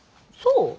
そう？